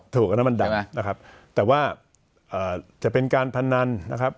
ถูกนะมันดับใช่ไหมนะครับแต่ว่าอ่าจะเป็นการพนันนะครับ